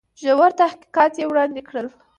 ژور تحقیقات یې وړاندي کړل.